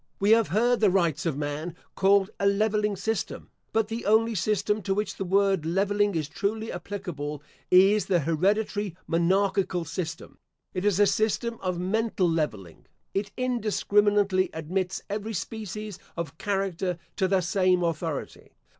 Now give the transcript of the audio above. We have heard the Rights of Man called a levelling system; but the only system to which the word levelling is truly applicable, is the hereditary monarchical system. It is a system of mental levelling. It indiscriminately admits every species of character to the same authority.